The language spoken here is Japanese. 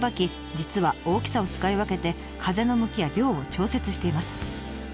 実は大きさを使い分けて風の向きや量を調節しています。